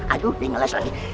aduh di ngeles lagi